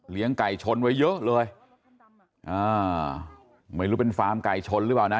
ไก่ชนไว้เยอะเลยอ่าไม่รู้เป็นฟาร์มไก่ชนหรือเปล่านะ